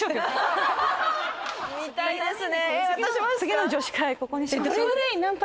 見たいですね。